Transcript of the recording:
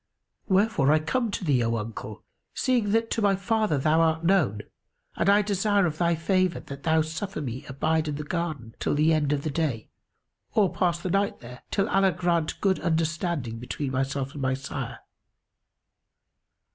Wherefore I come to thee, O uncle, seeing that to my father thou art known, and I desire of thy favour that thou suffer me abide in the garden till the end of the day, or pass the night there, till Allah grant good understanding between myself and my sire."